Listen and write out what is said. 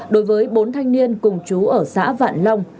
đối với bốn thanh niên cùng chú ở xã vạn long